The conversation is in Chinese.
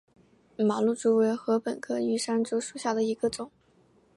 马鹿竹为禾本科玉山竹属下的一个种。